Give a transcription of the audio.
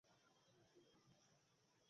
আমার মা হলে এখন কী বলতো, জানো?